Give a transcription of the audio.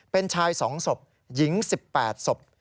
เป็นชาย๒ศพหญิง๑๘ศพ